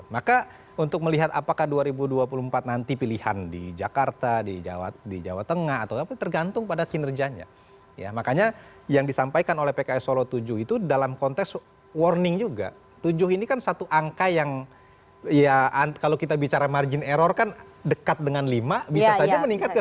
maka untuk melihat apakah dua ribu dua puluh empat nanti pilihan di jakarta di jawa di jawa tengah atau apa tergantung pada kinerjanya ya makanya yang disampaikan oleh pks solo tujuh itu dalam konteks warning juga tujuh ini kan satu angka yang ya kalau kita bicara margin error kan dekat dengan lima bisa saja meningkat